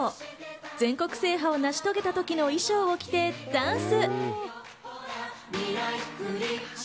全国制覇を成し遂げた時の衣装を着てダンス。